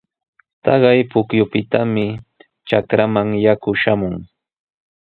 Taqay pukyupitami trakraaman yaku shamun.